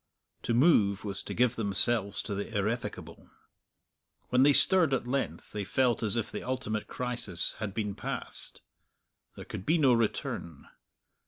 To move was to give themselves to the irrevocable. When they stirred at length they felt as if the ultimate crisis had been passed; there could be no return.